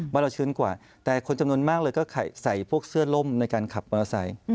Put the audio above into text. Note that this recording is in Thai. เราชื้นกว่าแต่คนจำนวนมากเลยก็ใส่พวกเสื้อล่มในการขับมอเตอร์ไซค์